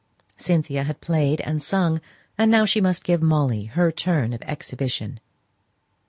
Cynthia had played and sung, and now she must give Molly her turn of exhibition.